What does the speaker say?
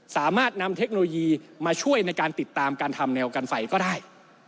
สามารถนำเทคโนโลยีมาช่วยในการติดตามการทำแนวกันไฟก็ได้